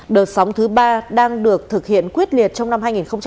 đợt sóng thứ ba đang được thực hiện quyết liệt trong năm hai nghìn hai mươi